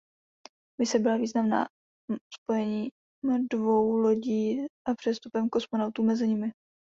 Mise byla významná spojením dvou lodí a přestupem kosmonautů mezi nimi.